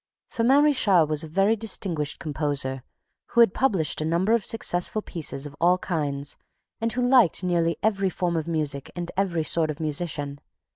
Firmin Richard was a very distinguished composer, who had published a number of successful pieces of all kinds and who liked nearly every form of music and every sort of musician.